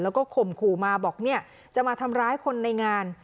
แล้วก็ข่มขู่มาบอกเนี่ยจะมาทำร้ายคนในงาน